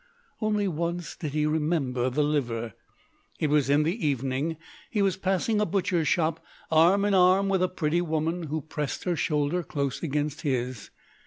Only once did he remember the liver. It was in the evening; he was passing a butcher's shop, arm in arm with a pretty woman who pressed her shoulder close against his.